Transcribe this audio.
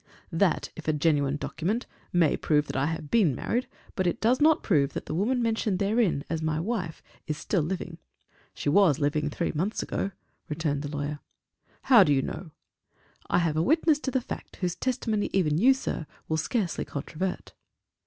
"That, if a genuine document, may prove I have been married, but it does not prove that the woman mentioned therein as my wife is still living." "She was living three months ago," returned the lawyer. "How do you know?" "I have a witness to the fact whose testimony even you, sir, will scarcely controvert."